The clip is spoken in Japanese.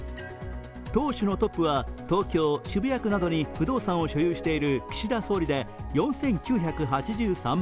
党首のトップは東京・渋谷区などに不動産を所有している岸田総理で４９８３万円。